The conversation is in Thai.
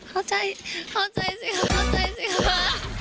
เข้าใจสิค่ะสิค่ะ